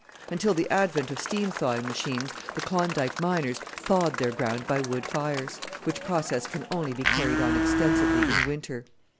Until the advent of steam thawing machines, the Klondike miners thawed their ground by wood fires, which process can only be carried on extensively in winter.